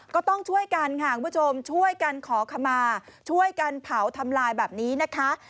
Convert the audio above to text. ก็ต้องช่วยกันค่ะคุณผู้ชมช่วยกันขอขมาช่วยกันเผาทำลายแบบนี้นะคะ